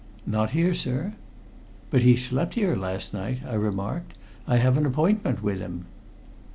"Not here, sir." "But he slept here last night," I remarked. "I have an appointment with him."